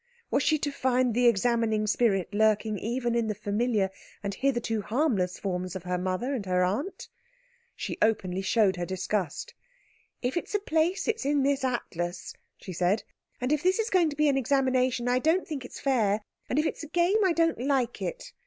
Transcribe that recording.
Was she to find the examining spirit lurking even in the familiar and hitherto harmless forms of her mother and her aunt? She openly showed her disgust. "If it's a place, it's in this atlas," she said, "and if this is going to be an examination, I don't think it's fair; and if it's a game, I don't like it."